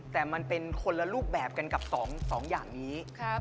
แต่มันเป็นคนละรูปแบบกันกับ๒อย่างนี้